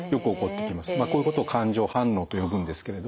こういうことを感情反応と呼ぶんですけれども。